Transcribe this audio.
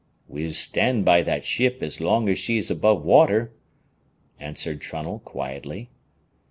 "We'll stand by that ship as long as she's above water," answered Trunnell, quietly.